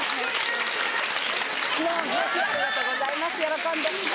ありがとうございます喜んで。